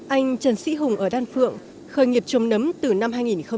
anh trần sĩ hùng ở đan phượng khởi nghiệp trồng nấm từ năm hai nghìn một mươi